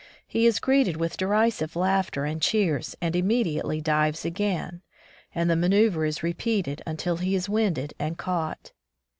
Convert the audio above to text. He is greeted with derisive laughter and cheers and immediately dives again, and the maneuver is repeated until he is winded and caught.